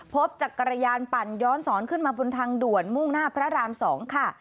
จักรยานปั่นย้อนสอนขึ้นมาบนทางด่วนมุ่งหน้าพระราม๒ค่ะ